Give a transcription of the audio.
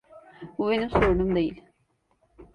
Bu benim sorunum değil.